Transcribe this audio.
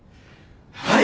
はい！